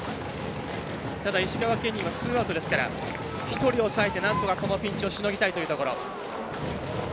ただ石川ケニーはツーアウトですから１人抑えて、なんとかこのピンチをしのぎたいというところ。